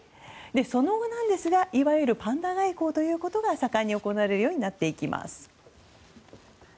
その後なんですがいわゆるパンダ外交が盛んに行われるようになっていきます。